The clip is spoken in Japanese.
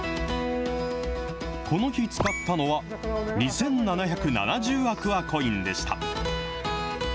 この日使ったのは、２７７０アクアコインでした。